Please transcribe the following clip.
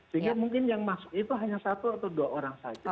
sehingga mungkin yang masuk itu hanya satu atau dua orang saja